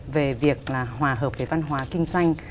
về việc là hòa hợp cái văn hóa kinh doanh